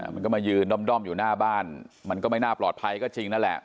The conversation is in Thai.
มันก็มายืนด้อมอยู่หน้าบ้านมันก็ไม่น่าปลอดภัยก็จริงนั่นแหละ